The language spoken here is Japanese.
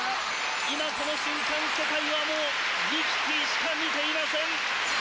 今この瞬間世界はもうミキティしか見ていません！